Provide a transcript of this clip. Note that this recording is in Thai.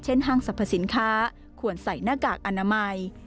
ห้างสรรพสินค้าควรใส่หน้ากากอนามัย